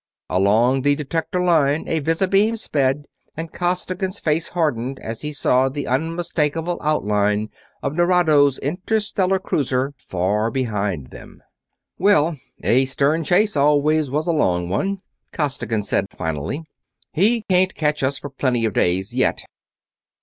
Along the detector line a visibeam sped, and Costigan's face hardened as he saw the unmistakable outline of Nerado's interstellar cruiser, far behind them. "Well, a stern chase always was a long one," Costigan said finally. "He can't catch us for plenty of days yet